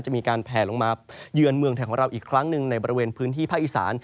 จะมีการแผลลงมาเยือนเมืองไทยของเราอีกครั้งหนึ่งในบริเวณพื้นที่ภาคอีสาน